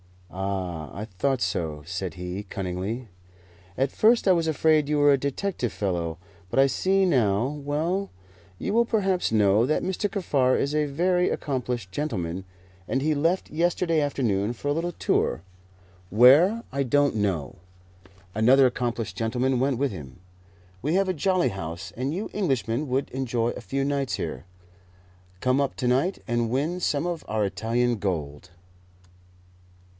"Ah, I thought so," said he, cunningly. "At first I was afraid you were a detective fellow, but I see now. Well, you will perhaps know that Mr. Kaffar is a very accomplished gentleman, and he left yesterday afternoon for a little tour where I don't know. Another accomplished gentleman went with him. We have a jolly house, and you Englishmen would enjoy a few nights here. Come up to night and win some of our Italian gold."